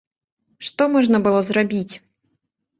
Што можна было зрабіць?